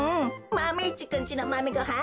マメ１くんちのマメごはん